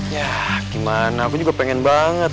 ya gimana aku juga pengen banget